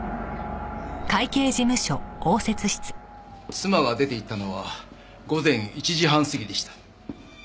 妻が出て行ったのは午前１時半過ぎでした。